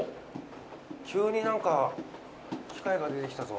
急に何か機械が出てきたぞ。